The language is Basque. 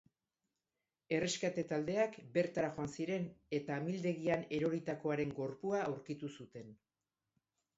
Erreskate taldeak bertara joan ziren eta amildegian eroritakoaren gorpua aurkitu zuten.